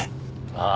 ああ。